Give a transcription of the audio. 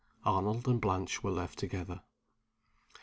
Arnold and Blanche were left together.